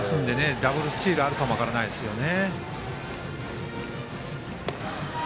ダブルスチールあるかも分からないですよね。